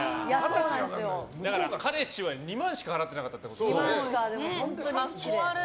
彼氏は２万しか払ってなかったってことだよね。